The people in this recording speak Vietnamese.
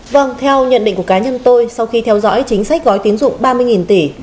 vâng theo nhận định của cá nhân tôi sau khi theo dõi chính sách gói tín dụng ba mươi tỷ